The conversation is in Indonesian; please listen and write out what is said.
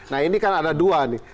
nah ini kan ada dua nih